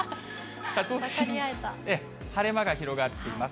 晴れ間が広がっています。